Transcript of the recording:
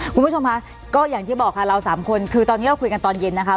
คุณผู้ชมค่ะก็อย่างที่บอกค่ะเราสามคนคือตอนนี้เราคุยกันตอนเย็นนะคะ